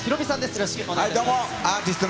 よろしくお願いします。